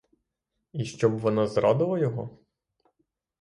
І щоб вона зрадила його?